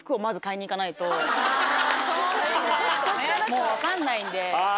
もう分かんないんで。